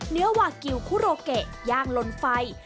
เนื้อวากิวคุโรเกย่างลนไฟ